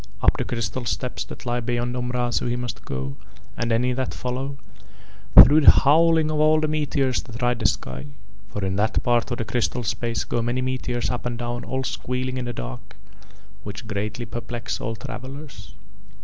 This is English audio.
Up the crystal steps that lie beyond Omrazu he must go, and any that follow, though the howling of all the meteors that ride the sky; for in that part of the crystal space go many meteors up and down all squealing in the dark, which greatly perplex all travellers.